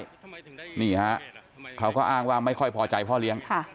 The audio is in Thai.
นี่ฮะเขาก็อ้างว่าไม่ค่อยพอใจพ่อเลี้ยง